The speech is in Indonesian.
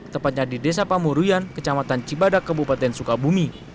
tepatnya di desa pamuruyan kecamatan cibadak kebupaten sukabumi